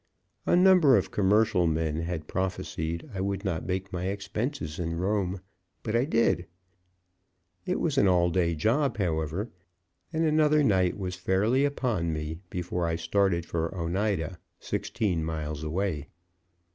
A number of commercial men had prophesied I would not make my expenses in Rome, but I did. It was an all day job, however, and another night was fairly upon me before I started for Oneida, sixteen miles away.